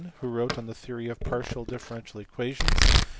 465) who wrote on the theory of partial differential equations.